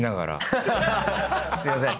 すいません。